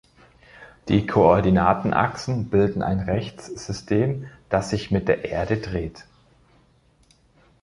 Die Koordinatenachsen bilden ein Rechtssystem, das sich mit der Erde dreht.